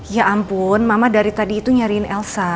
ya ampun mama dari tadi itu nyariin elsa